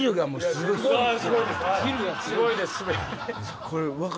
すごいですか？